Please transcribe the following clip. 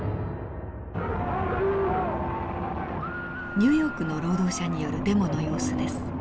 ニューヨークの労働者によるデモの様子です。